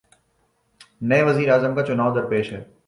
نئے وزیر اعظم کا چنائو درپیش ہے۔